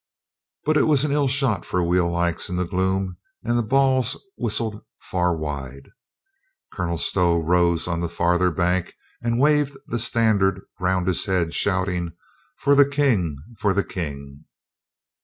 But it was an ill shot for wheel locks in the gloom and the balls whistled far wide. Colonel Stow rose on the farther bank and waved the standard round his head, shouting, "For the King! For the King!"